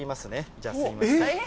じゃあ、すみません。